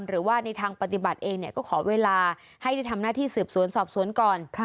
หรือว่าในทางปฏิบัติเองก็ขอเวลาให้ได้ทำหน้าที่สืบสวนสอบสวนก่อน